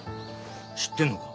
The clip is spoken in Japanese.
知ってんのか？